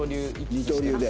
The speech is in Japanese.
二刀流で。